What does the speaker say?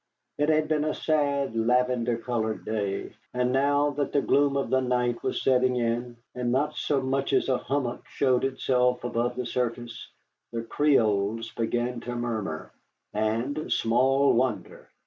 It had been a sad, lavender colored day, and now that the gloom of the night was setting in, and not so much as a hummock showed itself above the surface, the Creoles began to murmur. And small wonder!